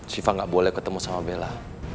siva nggak boleh ketemu sama bella